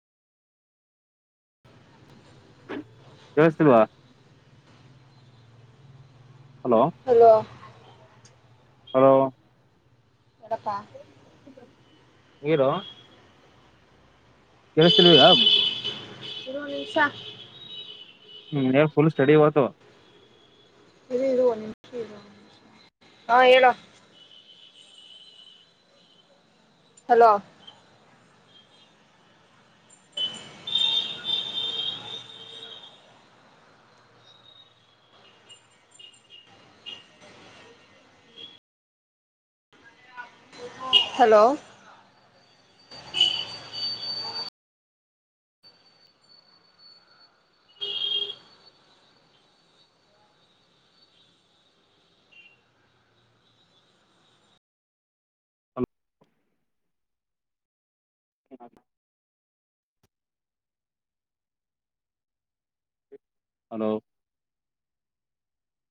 ಕೇಳುಸ್ತಿಲ್ವಾ? Hello hello ದೊಡಪ್ಪ ನೀರು ಕೇಳುಸ್ತಿಲ್ವ್ ಈಗ? [unintelligible] ಹ್ಮ್ ಏನ್ ಫುಲ್ ಸ್ಟಡಿ ಇವತ್ತು? ಇರು ಇರು [unintelligible] ಹಾ ಹೇಳೋ ಹಲೋ ಹಲೋ ಹಲ್ [inaudible] ಹಲೋ